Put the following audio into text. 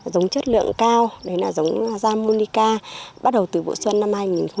giống chất lượng cao đấy là giống japonica bắt đầu từ vụ xuân năm hai nghìn một mươi chín